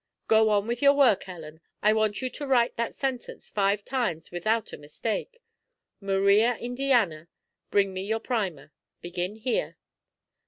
"Go on with your work, Ellen. I want you to write that sentence five times without a mistake. Maria Indiana, bring me your primer. Begin here."